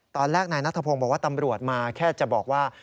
ตอนแรกนายนัทพงศ์บอกว่าตำรวจมาแค่จะบอกว่า